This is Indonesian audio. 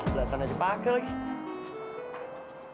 kelasan ada pake lagi